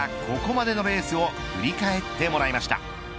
ここまでのレースを振り返ってもらいました。